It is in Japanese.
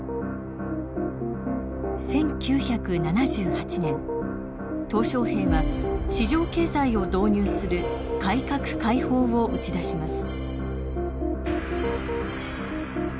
１９７８年小平は市場経済を導入する改革開放を打ち出します。